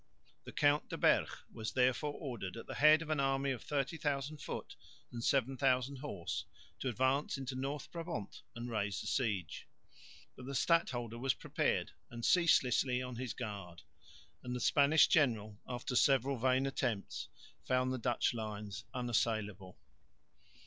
The Count de Berg was therefore ordered (June 17) at the head of an army of 30,000 foot and 7000 horse to advance into North Brabant and raise the siege. But the stadholder was prepared and ceaselessly on his guard; and the Spanish general, after several vain attempts, found the Dutch lines unassailable.